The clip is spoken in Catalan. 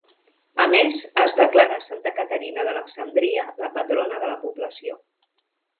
A més, es declarà Santa Caterina d'Alexandria la patrona de la població.